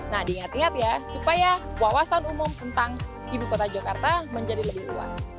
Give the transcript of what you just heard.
nah diingat ingat ya supaya wawasan umum tentang ibu kota jakarta menjadi lebih luas